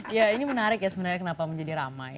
ya ini menarik ya sebenarnya kenapa menjadi ramai